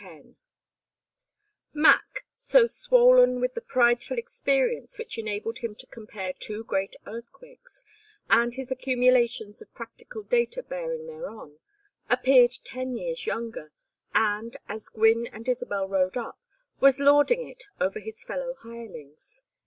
X Mac, so swollen with the prideful experience which enabled him to compare two great earthquakes, and his accumulations of practical data bearing thereon, appeared ten years younger, and, as Gwynne and Isabel rode up, was lording it over his fellow hirelings.